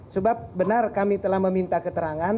sebab benar kami telah meminta keterangan